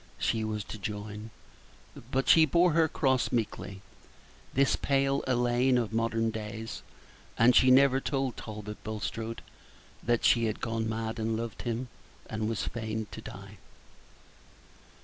she was to join; but she bore her cross meekly, this pale Elaine of modern days, and she never told Talbot Bulstrode that she had gone mad and loved him, and was fain to die.